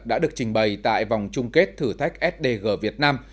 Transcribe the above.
đã được trình bày tại vòng chung kết thử thách sdg việt nam